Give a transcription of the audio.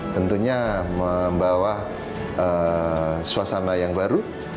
tentunya membawa suasana yang baru